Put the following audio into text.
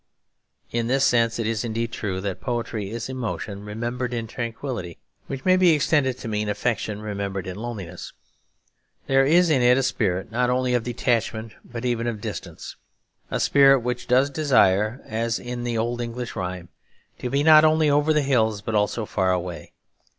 In this sense it is indeed true that poetry is emotion remembered in tranquillity; which may be extended to mean affection remembered in loneliness. There is in it a spirit not only of detachment but even of distance; a spirit which does desire, as in the old English rhyme, to be not only over the hills but also far away.